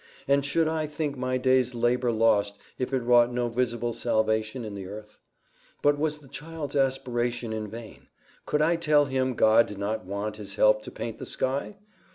and should I think my day's labour lost, if it wrought no visible salvation in the earth? But was the child's aspiration in vain? Could I tell him God did not want his help to paint the sky?